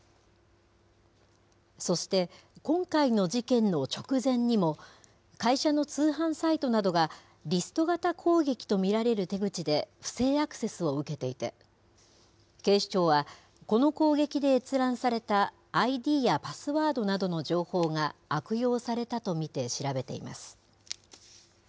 そして、今回の事件の直前にも、会社の通販サイトなどがリスト型攻撃と見られる手口で不正アクセスを受けていて、警視庁は、この攻撃で閲覧されたＩＤやパスワードなどの情報が悪用されたと見て調べています。